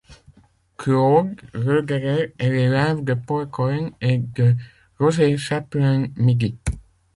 Claude Roederer est l'élève de Paul Colin et de Roger Chapelain-Midy.